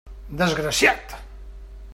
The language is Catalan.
Desgraciat!